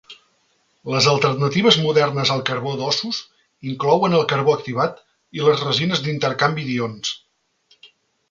Les alternatives modernes al carbó d'ossos inclouen el carbó activat i les resines d'intercanvi d'ions.